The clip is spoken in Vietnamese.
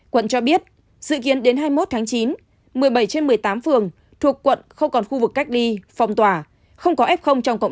quận cho biết dự kiến đến hai mươi một tháng chín một mươi bảy trên một mươi tám phường thuộc quận không còn khu vực cách ly phong tỏa không có f trong cộng